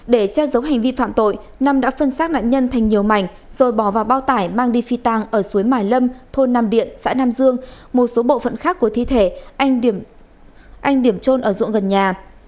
để che giấu hành vi phạm tội nam đã phân xác nạn nhân thành nhiều mảnh rồi bỏ vào bao tải mang đi phi tàng ở suối mải lâm thôn nam điện xã nam dương một số bộ phận khác của thi thể anh điểm trôn ở ruộng gần nhà